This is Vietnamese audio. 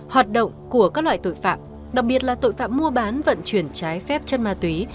hoạt động của các loại tội phạm đặc biệt là tội phạm mua bán vận chuyển trái phép chất ma túy